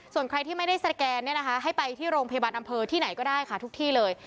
ส่วนใครที่ไม่ได้สแกนให้ไปที่โรงพยาบาลอำเภอที่ไหนก็ได้ค่ะทุกที่เลย